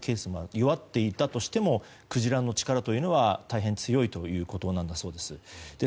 弱っていたとしてもクジラの力というのは大変強いということだそうです。